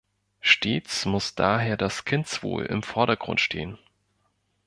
Stets muss daher das Kindswohl im Vordergrund stehen.